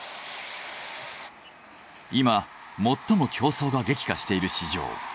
今最も競争が激化している市場。